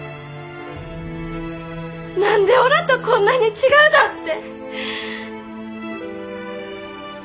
何でおらとこんなに違うだって。